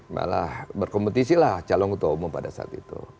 malah berkompetisi lah calon ketua umum pada saat itu